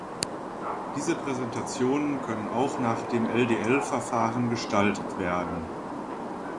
Diese Präsentationen können auch nach dem LdL-Verfahren gestaltet werden.